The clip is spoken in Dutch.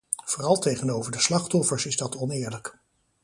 Vooral tegenover de slachtoffers is dat oneerlijk.